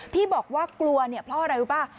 ที่บอกว่ากลัวเนี่ยเพราะอะไรรู้ป่ะ